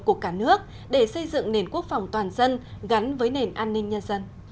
của cả nước để xây dựng nền quốc phòng toàn dân gắn với nền an ninh nhân dân